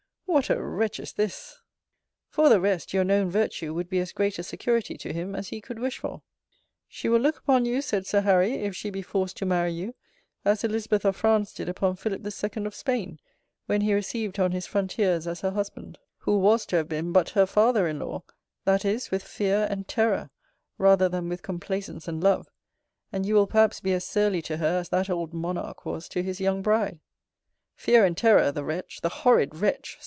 What a wretch is this! For the rest, your known virtue would be as great a security to him, as he could wish for. She will look upon you, said Sir Harry, if she be forced to marry you, as Elizabeth of France did upon Philip II. of Spain, when he received her on his frontiers as her husband, who was to have been but her father in law: that is, with fear and terror, rather than with complaisance and love: and you will perhaps be as surly to her, as that old monarch was to his young bride. Fear and terror, the wretch, the horrid wretch!